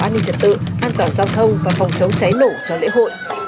an ninh trật tự an toàn giao thông và phòng chống cháy nổ cho lễ hội